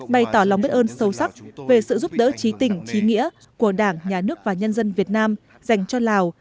bày tỏ lòng biết ơn sâu sắc về sự giúp đỡ trí tỉnh trí nghĩa của đảng nhà nước và nhân dân việt nam dành cho lào